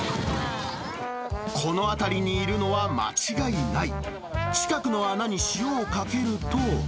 この辺りにいるのは間違いない。